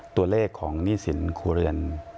ตัวเลขของหนี้สินครัวเรือน